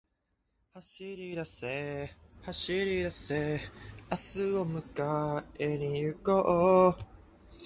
走りだせ、走りだせ、明日を迎えに行こう